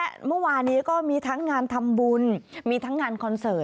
เมื่อวานนี้ก็มีทั้งงานทำบุญมีทั้งงานคอนเสิร์ต